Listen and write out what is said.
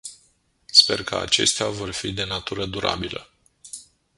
Sper că acestea vor fi de natură durabilă.